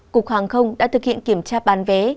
cục hàng không đã thực hiện kiểm tra bán vé